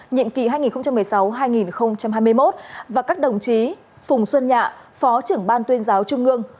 nhiệm kỳ hai nghìn một mươi sáu hai nghìn hai mươi một và các đồng chí phùng xuân nhạ phó trưởng ban tuyên giáo trung ương